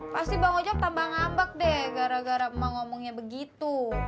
pasti bang ojek tambah ngambak deh gara gara emang ngomongnya begitu